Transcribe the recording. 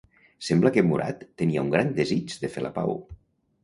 Sembla que Murat tenia un gran desig de fer la pau.